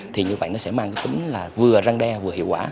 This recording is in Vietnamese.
thì như vậy nó sẽ mang cái tính là vừa răng đe vừa hiệu quả